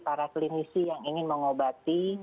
para klinisi yang ingin mengobati